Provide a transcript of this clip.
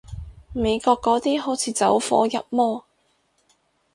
美國嗰啲好似走火入魔